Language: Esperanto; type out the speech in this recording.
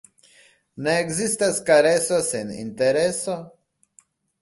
Ne ekzistas kareso sen intereso.